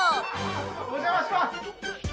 お邪魔します。